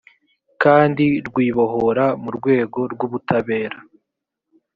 kandi rwibohora mu rwego rw ubutabera